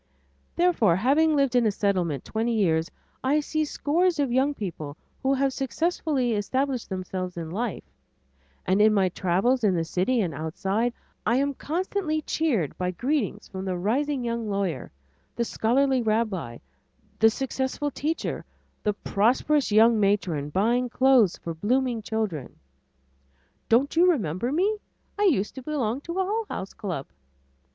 Therefore having lived in a Settlement twenty years, I see scores of young people who have successfully established themselves in life, and in my travels in the city and outside, I am constantly cheered by greetings from the rising young lawyer, the scholarly rabbi, the successful teacher, the prosperous young matron buying clothes for blooming children. "Don't you remember me? I used to belong to a Hull House club."